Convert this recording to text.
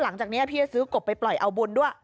หลังจากนี้พี่จะซื้อกบไปปล่อยเอาบุญด้วย